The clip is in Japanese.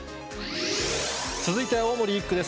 続いて青森１区です。